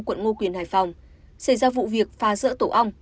quận ngô quyền hải phòng xảy ra vụ việc phá rỡ tổ ong